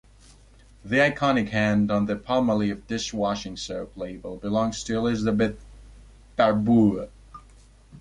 The iconic hand on the Palmolive dishwashing soap label belongs to Elizabeth Barbour.